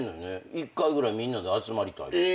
１回ぐらいみんなで集まりたいって。